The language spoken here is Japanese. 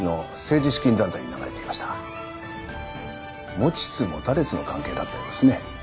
持ちつ持たれつの関係だったようですね。